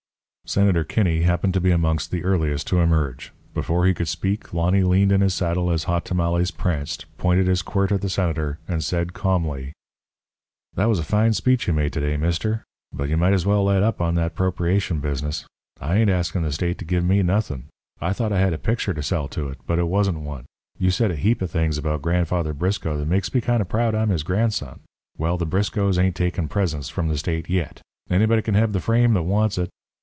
Senator Kinney happened to be among the earliest to emerge. Before he could speak Lonny leaned in his saddle as Hot Tamales pranced, pointed his quirt at the Senator, and said, calmly: "That was a fine speech you made to day, mister, but you might as well let up on that 'propriation business. I ain't askin' the state to give me nothin'. I thought I had a picture to sell to it, but it wasn't one. You said a heap of things about Grandfather Briscoe that makes me kind of proud I'm his grandson. Well, the Briscoes ain't takin' presents from the state yet. Anybody can have the frame that wants it.